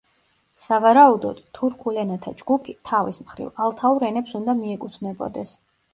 სავარაუდოდ, თურქულ ენათა ჯგუფი, თავის მხრივ, ალთაურ ენებს უნდა მიეკუთვნებოდეს.